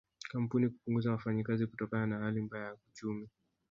Kampuni kupunguza wafanyakazi kutokana na hali mbaya ya uchumi